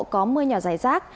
có mưa nhỏ dài rác